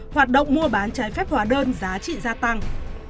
hoạt động mua bán trái phép hóa đơn giá trị gia tăng